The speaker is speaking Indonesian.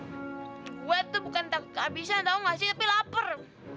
gua tuh bukan tak kehabisan tau gak sih tapi lapar